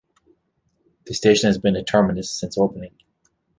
The station has been a terminus since opening.